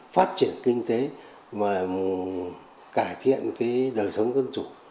phát triển kinh tế và cải thiện cái đời sống dân chủ